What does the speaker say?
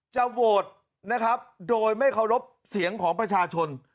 จะโหวตนะครับโดยไม่เคารพเสียงของประชาชน